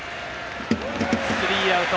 スリーアウト。